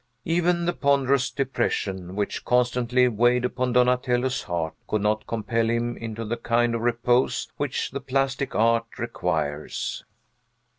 Even the ponderous depression which constantly weighed upon Donatello's heart could not compel him into the kind of repose which the plastic art requires.